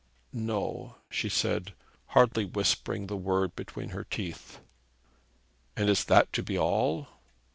'No,' she said, hardly whispering the word between her teeth. 'And is that to be all?'